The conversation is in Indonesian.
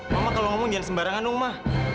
mama kalau ngomong jangan sembarangan ma